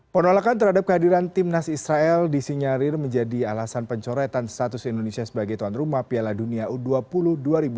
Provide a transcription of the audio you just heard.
penolakan terhadap kehadiran timnas israel disinyarir menjadi alasan pencoretan status indonesia sebagai tuan rumah piala dunia u dua puluh dua ribu dua puluh